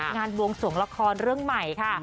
บวงสวงละครเรื่องใหม่ค่ะ